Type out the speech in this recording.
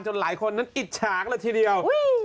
หลายคนนั้นอิจฉากเลยทีเดียว